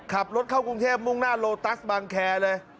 ขับรถเข้ากรุงเทพมุ่งหน้าโลตัสบางแคร์เลย